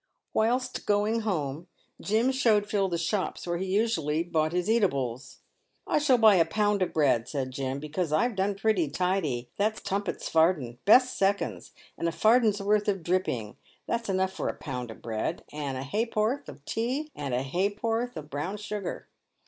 "Whilst going home, Jim showed Phil the shops where he usually bought his eatables. " I shall buy a pound of bread," said Jim, " because I've done pretty tidy, that's tuppence farden — best seconds ; and a farden's worth of dripping — that's enough for a pound of bread — and a ha'porth of tea, and a ha'porth of brown sugar.